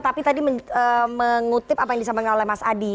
tapi tadi mengutip apa yang disampaikan oleh mas adi